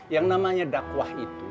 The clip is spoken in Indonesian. yang namanya dakwah itu